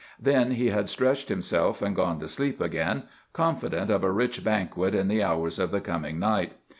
Then he had stretched himself and gone to sleep again, confident of a rich banquet in the hours of the coming night.